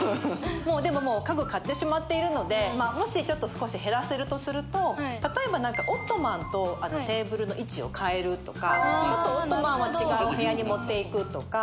もうでももう家具買ってしまっているのでまあもしちょっと少し減らせるとすると例えばなんかオットマンとテーブルの位置を変えるとかちょっとオットマンは違うお部屋に持っていくとか。